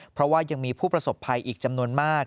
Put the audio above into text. เพราะว่ายังมีผู้ประสบภัยอีกจำนวนมาก